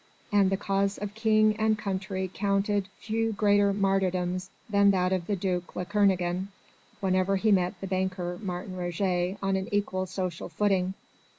and the cause of King and country counted few greater martyrdoms than that of the duc de Kernogan whenever he met the banker Martin Roget on an equal social footing.